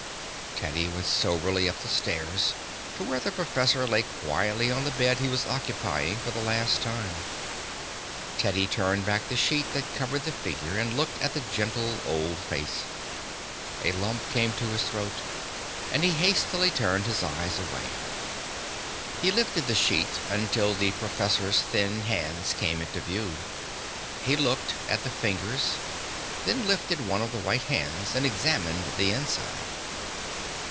Teddy went soberly up the stairs to where the professor lay quietly on the bed he was occupying for the last time. Teddy turned back the sheet that covered the figure and looked at the gentle old face. A lump came in his throat, and he hastily turned his eyes away. He lifted the sheet until the professor's thin hands came into view. He looked, at the fingers, then lifted one of the white hands and examined the inside.